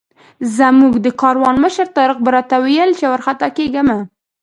زموږ د کاروان مشر طارق به راته ویل چې وارخطا کېږه مه.